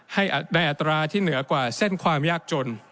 ให้ได้อัตราที่เหนือกว่าเส้นความยากจน